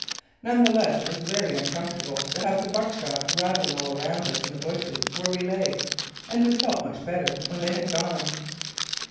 None the less it was very uncomfortable to have the buckshot rattling all around us in the bushes where we lay and we felt much better when they had gone.